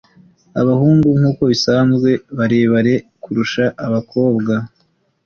Abahungu, nkuko bisanzwe, barebare kurusha abakobwa.